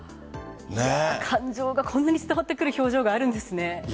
感情がこんなに伝わってくる表情があるんですね。